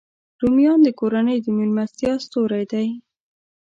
رومیان د کورنۍ د میلمستیا ستوری دی